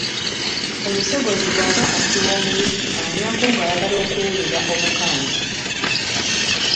Omusogozi bw’aba asiwa omubisi anywako ng’ayagala okuwulira Obukambi.